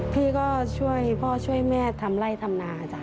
พี่ก็ช่วยพ่อช่วยแม่ทำไล่ทำนาจ้ะ